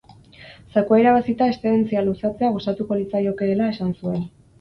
Zakua irabazita eszedentzia luzatzea gustatuko litzaiokeela esan zuen.